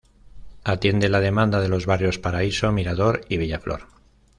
Atiende la demanda de los barrios Paraíso, Mirador y Bella Flor.